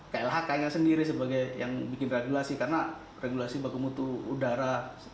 klhk yang sendiri yang bikin regulasi karena regulasi bagi mutu udara